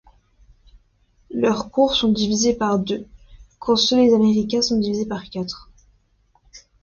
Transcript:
Leurs cours sont divisés par deux, quand ceux des américaines sont divisés par quatre.